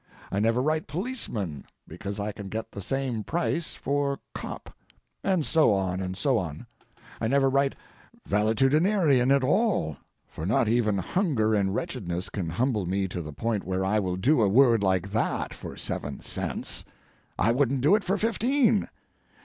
I never write 'policeman,' because I can get the same price for 'cop.' And so on and so on. I never write 'valetudinarian' at all, for not even hunger and wretchedness can humble me to the point where I will do a word like that for seven cents; I wouldn't do it for fifteen.